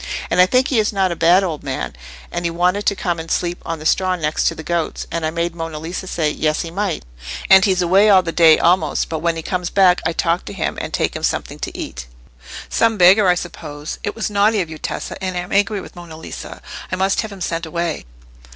And I think he is not a bad old man, and he wanted to come and sleep on the straw next to the goats, and I made Monna Lisa say, 'Yes, he might,' and he's away all the day almost, but when he comes back I talk to him, and take him something to eat." "Some beggar, I suppose. It was naughty of you, Tessa, and I am angry with Monna Lisa. I must have him sent away."